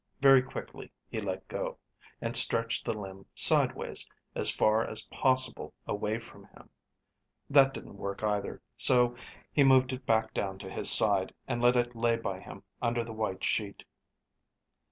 Very quickly he let go, and stretched the limb sideways, as far as possible away from him. That didn't work either, so he moved it back down to his side, and let it lay by him under the white sheet.